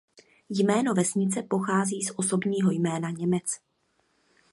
Jméno vesnice pochází z osobního jména Němec.